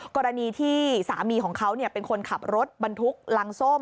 กรณีที่สามีของเขาเป็นคนขับรถบรรทุกรังส้ม